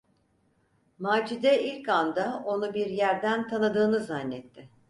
Macide ilk anda onu bir yerden tanıdığını zannetti.